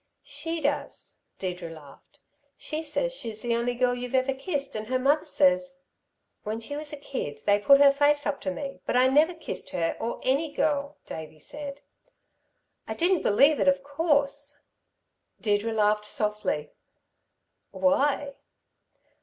"She does." Deirdre laughed. "She says she's the only girl you've ever kissed. And her mother says " "When she was a kid, they put her face up to me; but I never kissed her or any girl," Davey said. "I didn't believe it, of course!" Deirdre laughed softly. "Why?"